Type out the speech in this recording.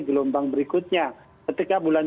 gelombang berikutnya ketika bulan